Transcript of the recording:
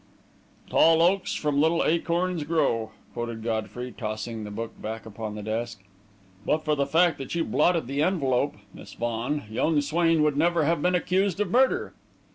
"'Tall oaks from little acorns grow,'" quoted Godfrey, tossing the book back upon the desk. "But for the fact that you blotted the envelope, Miss Vaughan, young Swain would never have been accused of murder."